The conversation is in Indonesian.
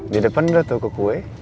di depan ada toko kue